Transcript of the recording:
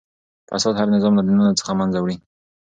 فساد هر نظام له دننه څخه له منځه وړي.